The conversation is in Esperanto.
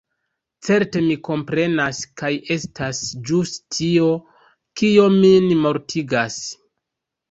Certe mi komprenas: kaj estas ĵus tio, kio min mortigas.